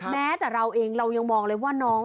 แม้แต่เราเองเรายังมองเลยว่าน้อง